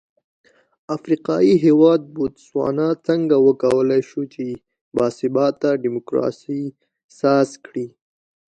افریقايي هېواد بوتسوانا څنګه وکولای شول چې با ثباته ډیموکراسي ساز کړي.